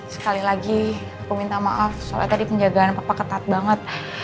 sekali lagi aku minta maaf soalnya tadi penjagaan papa ketat banget